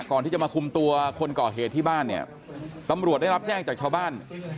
ก่อนที่จะมาคุมตัวคนก่อเหตุที่บ้านเนี่ยตำรวจได้รับแจ้งจากชาวบ้าน